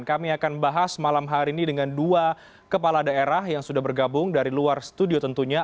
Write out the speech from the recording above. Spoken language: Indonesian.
kami akan bahas malam hari ini dengan dua kepala daerah yang sudah bergabung dari luar studio tentunya